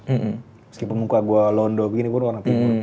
meskipun muka gue londo begini gue orang timur